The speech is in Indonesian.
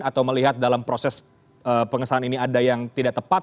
atau melihat dalam proses pengesahan ini ada yang tidak tepat